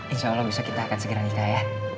insya allah bisa kita akan segera nikah ya